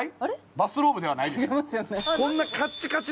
バスローブではないでしょ。